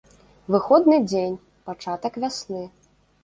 Выходны дзень, пачатак вясны.